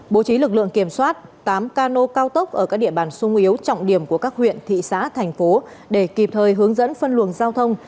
bố trí lực lượng kiểm soát tám cano cao tốc ở các địa bàn sung yếu trọng điểm của các huyện thị xã thành phố để kịp thời hướng dẫn phân luồng giao thông